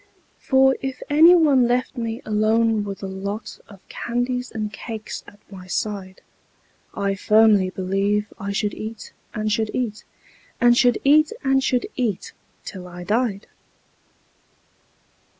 For if any one left me alone with a lot Of candies and cakes at my side, I firmly believe I should eat, and should eat, And should eat, and should eat, till I died.